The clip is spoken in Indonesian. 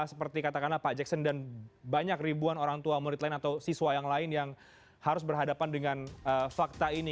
seperti katakanlah pak jackson dan banyak ribuan orang tua murid lain atau siswa yang lain yang harus berhadapan dengan fakta ini